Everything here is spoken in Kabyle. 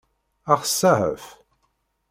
Ad ɣ-tseɛef?